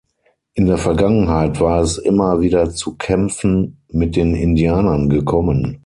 In der Vergangenheit war es immer wieder zu Kämpfen mit den Indianern gekommen.